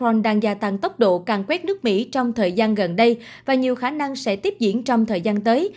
dù cơn sóng thần omicron đang gia tăng tốc độ càng quét nước mỹ trong thời gian gần đây và nhiều khả năng sẽ tiếp diễn trong thời gian tới